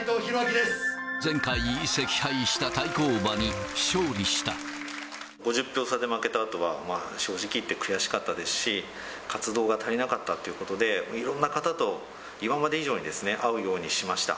前回、惜敗した対抗馬に勝利５０票差で負けたあとは、正直言って悔しかったですし、活動が足りなかったということで、いろんな方と、今まで以上に会うようにしました。